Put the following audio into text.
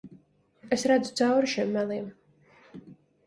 Es redzu cauri šiem meliem.